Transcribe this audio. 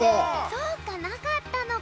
そうかなかったのか。